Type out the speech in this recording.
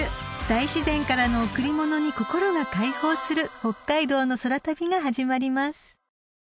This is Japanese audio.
大自然からの贈り物に心が解放する北海道の空旅が始まります］